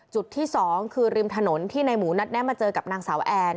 จุดที่๒คือริมถนนที่ในหมูนัดแนะมาเจอกับนางสาวแอน